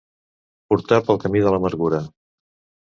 Portar pel camí de l'amargura.